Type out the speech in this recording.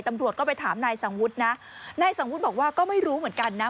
ตำรวจก็ไปถามนายสังวุฒินะนายสังวุฒิบอกว่าก็ไม่รู้เหมือนกันนะ